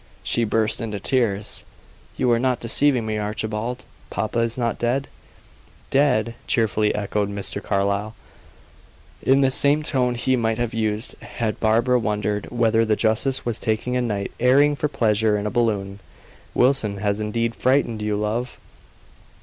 She burst into tears. "You are not deceiving me, Archibald? Papa is not dead?" "Dead!" cheerfully echoed Mr. Carlyle, in the same tone he might have used had Barbara wondered whether the justice was taking a night airing for pleasure in a balloon. "Wilson has indeed frightened you, love.